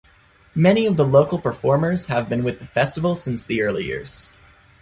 Many of the local performers have been with the festival since the early years.